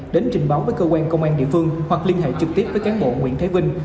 đến trình báo với cơ quan công an địa phương hoặc liên hệ trực tiếp với cán bộ nguyễn thế vinh